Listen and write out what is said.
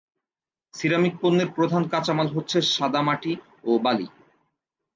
Ceramic পণ্যের প্রধান কাঁচামাল হচ্ছে সাদা মাটি ও বালি।